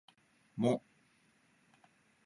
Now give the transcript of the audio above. も